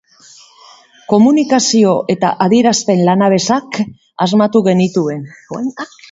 Komunikazio eta adierazpen lanabesak asmatu genituen.